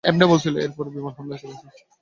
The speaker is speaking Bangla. এর পরে, বিমান হামলা এবং খেলা শেষ।